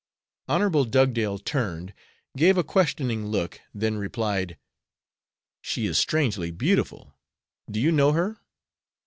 Hon. Dugdale turned, gave a questioning look, then replied, "She is strangely beautiful! Do you know her?"